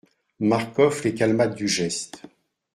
Marcof les calma du geste.